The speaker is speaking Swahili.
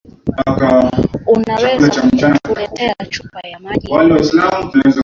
Unaweza kutuletea chupa ya maji?